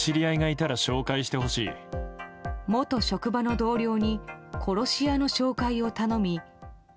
元職場の同僚に殺し屋の紹介を頼み。